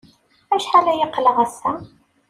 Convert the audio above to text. Acḥal ay aql-aɣ ass-a?